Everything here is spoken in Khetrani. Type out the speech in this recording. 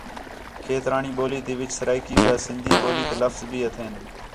کھیترانی ٻولی تی وِچ سرائیکی ٻیا سندھی ٻولی تے لفظ بھی ہتھین